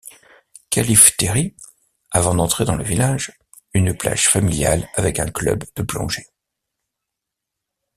Kallifteri, avant d'entrer dans le village, une plage familiale avec un club de plongée.